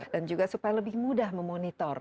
dan juga supaya lebih mudah memonitor